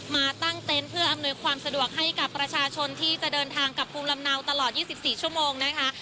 มาตั้งเต็นต์เพื่ออำนวยความสะดวกให้กับประชาชนที่จะเดินทางกับภูมิลำเนาตลอด๒๔ชั่วโมงนะคะ